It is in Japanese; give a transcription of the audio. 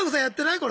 これ。